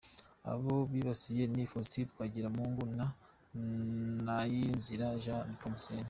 Abo bibasiye ni FaustinTwagiramungu na Nayinzira Jean Nepomscene.